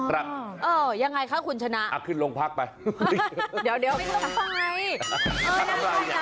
ครับเอ่อยังไงคะคุณชนะอ่ะขึ้นโรงพรรคไปเดี๋ยวเดี๋ยวไปร่วมภาย